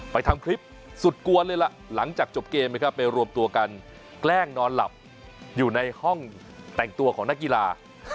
ทำคลิปสุดกวนเลยล่ะหลังจากจบเกมนะครับไปรวมตัวกันแกล้งนอนหลับอยู่ในห้องแต่งตัวของนักกีฬา